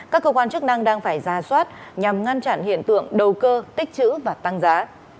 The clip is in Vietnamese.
các cơ quan chức năng đang phải ra soát nhằm ngăn chặn hiện tượng đầu cơ tích chữ và tăng giá